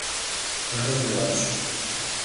arrazoados